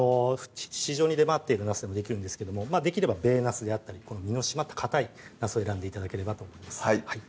市場に出回っているなすでもできるんですけどもできれば米なすであったり身の締まったかたいなすを選んで頂ければと思います